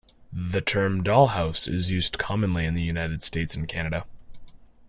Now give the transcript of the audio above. The term "dollhouse" is used commonly in the United States and Canada.